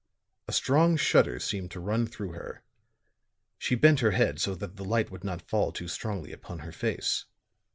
A strong shudder seemed to run through her; she bent her head so that the light would not fall too strongly upon her face.